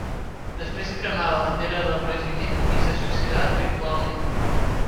Després cremà la bandera del regiment i se suïcidà ritualment.